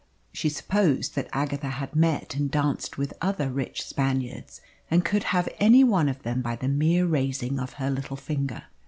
She supposed that Agatha had met and danced with other rich Spaniards, and could have any one of them by the mere raising of her little finger.